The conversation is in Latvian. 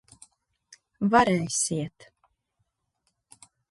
Varēsiet.